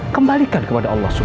kembalikan kepada allah swt